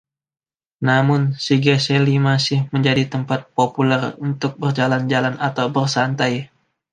Namun, Siegesallee masih menjadi tempat populer untuk berjalan-jalan atau bersantai.